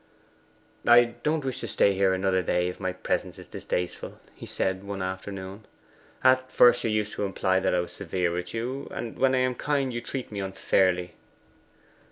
'I don't wish to stay here another day if my presence is distasteful,' he said one afternoon. 'At first you used to imply that I was severe with you; and when I am kind you treat me unfairly.